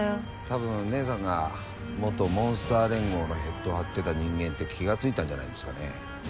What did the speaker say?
たぶん姐さんが元悶主陀亜連合のヘッド張ってた人間って気が付いたんじゃないんですかね。